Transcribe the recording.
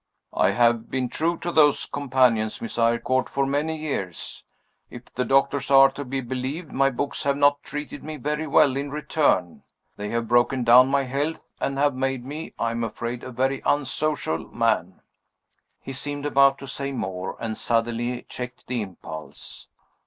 "I have been true to those companions, Miss Eyrecourt, for many years. If the doctors are to be believed, my books have not treated me very well in return. They have broken down my health, and have made me, I am afraid, a very unsocial man." He seemed about to say more, and suddenly checked the impulse.